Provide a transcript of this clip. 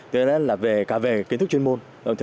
thế đó là cả về kiến thức chuyên môn